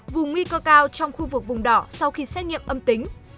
vùng nguy cơ cao trong khu vực vùng đỏ sau khi xét nghiệm âm tính